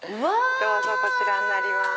どうぞこちらになります。